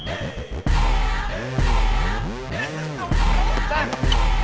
eh kamu jadi apaan lu